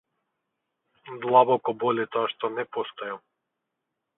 Длабоко боли тоа што не постојам.